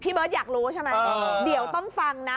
เบิร์ตอยากรู้ใช่ไหมเดี๋ยวต้องฟังนะ